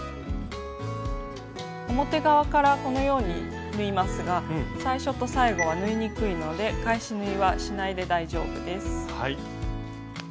表側からこのように縫いますが最初と最後は縫いにくいので返し縫いはしないで大丈夫です。